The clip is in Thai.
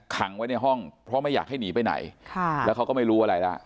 ขังไว้ในห้องเพราะไม่อยากให้หนีไปไหนแล้วเขาก็ไม่รู้อะไรแล้ว